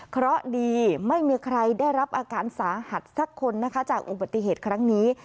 เพราะดีไม่มีใครได้รับอาการสาหัสสักคนนะคะจากอุบัติเหตุครั้งนี้